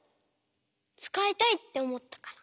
つかいたいっておもったから。